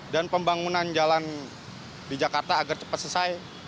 dan pembangunan jalan di jakarta agar cepat selesai